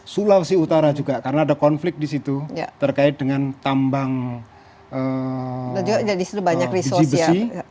sulawesi utara juga karena ada konflik di situ terkait dengan tambang biji besi